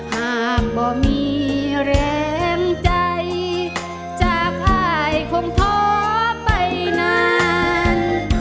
ห้ามบ่มีแรงใจจากค่ายคงท้อไปนาน